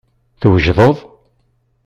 Twejdeḍ?